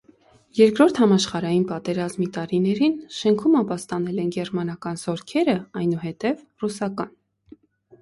Երկրորդ համաշխարհային պատերազմի տարիներին շենքում ապաստանել են գերմանական զորքերը, այնուհետև՝ ռուսական։